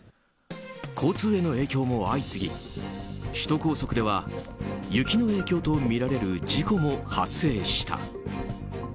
交通への影響も相次ぎ首都高速では雪の影響とみられる事故も発生した。